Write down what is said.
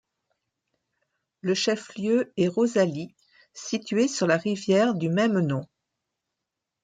Le chef-lieu est Rosalie, située sur la rivière du même nom.